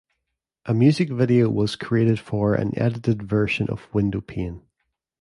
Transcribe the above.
A music video was created for an edited version of "Windowpane".